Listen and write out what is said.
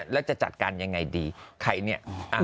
แล้วจะจัดการยังไงดีใครเนี่ย